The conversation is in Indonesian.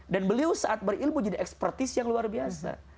dan beliau saat berilmu jadi ekspertis yang luar biasa